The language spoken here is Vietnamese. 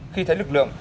khi thấy lực lượng